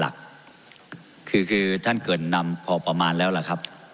หลักคือท่านเกิดนำพอประมาณแล้วล่ะครับ